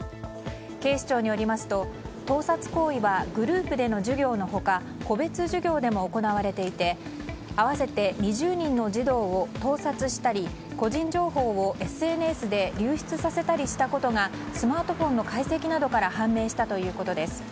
警視庁によりますと盗撮行為はグループでの授業の他個別授業でも行われていて合わせて２０人の児童を盗撮したり個人情報をＳＮＳで流出させたりしたことがスマートフォンの解析などから判明したということです。